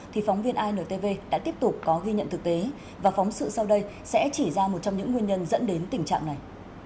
thì phóng viên intv đã tiếp tục có ghi nhận thực tế và phóng sự sau đây sẽ chỉ ra một trong những nguyên nhân dẫn đến tình trạng này